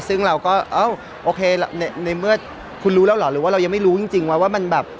ซึ่งเราก็เอ้าโอเคในเมื่อคุณรู้แล้วเหรอหรือว่าเรายังไม่รู้จริงว่ามันแบบ